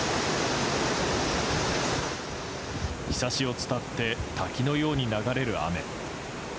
ひさしを伝って滝のように流れる雨。